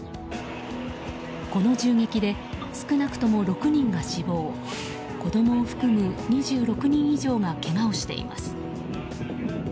この銃撃で少なくとも６人が死亡子供を含む２６人以上がけがをしています。